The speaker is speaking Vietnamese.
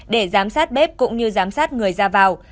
để giám sát bếp cũng như giám sát người ra vào